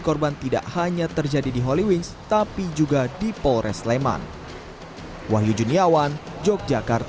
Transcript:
korban tidak hanya terjadi di holywings tapi juga di polres sleman wahyu juniawan yogyakarta